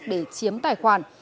để chiếm tài khoản